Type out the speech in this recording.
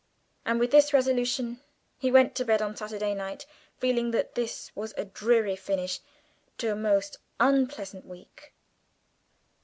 And with this resolution he went to bed on Saturday night, feeling that this was a dreary finish to a most unpleasant week.